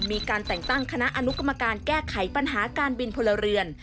มีการแต่งตั้งคณะอนุกรรมการแก้ไขปัญหาการบินพลเรือน